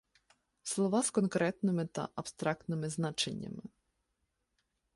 Слова з конкретними та абстрактними значеннями